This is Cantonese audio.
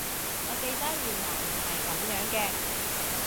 我記得原來唔係噉樣嘅